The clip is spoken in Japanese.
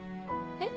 えっ？